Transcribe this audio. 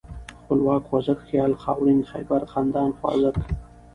خپلواک ، خوځښت ، خيال ، خاورين ، خيبر ، خندان ، خوازک